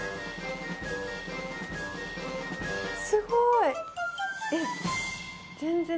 すごい。